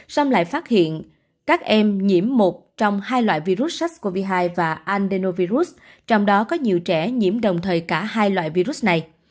xong lại phát hiện các em nhiễm một trong hai loại virus sars cov hai và andenovirus trong đó có nhiều trẻ nhiễm đồng thời cả hai loại virus này